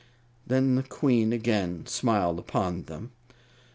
Then the Queen again smiled upon them.